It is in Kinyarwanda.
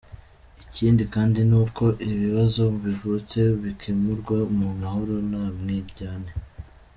Ikindi kandi ni uko ibibazo bivutse bikemurwa mu mahoro nta mwiryane.